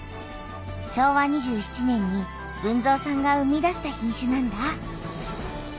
昭和２７年に豊造さんが生み出した品種なんだ。